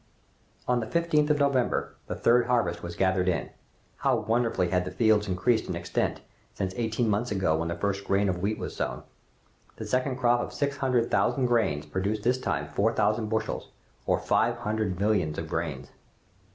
On the 15th of November, the third harvest was gathered in. How wonderfully had the field increased in extent, since eighteen months ago, when the first grain of wheat was sown! The second crop of six hundred thousand grains produced this time four thousand bushels, or five hundred millions of grains!